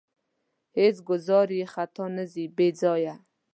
هېڅ ګوزار یې خطا نه ځي بې ځایه.